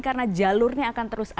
karena jalurnya akan terus ada